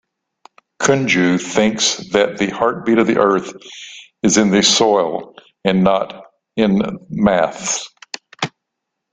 Kunju thinks that the heartbeat of earth is in soil and not in maths.